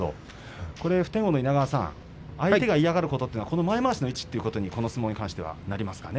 普天王の稲川さん相手が嫌がることは前まわしの位置ということにこの相撲に関してはなりますかね。